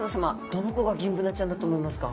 どの子がギンブナちゃんだと思いますか？